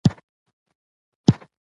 موږ د ښځو د خرڅولو لپاره